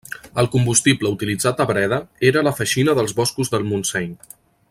El combustible utilitzat a Breda, era la feixina dels boscos del Montseny.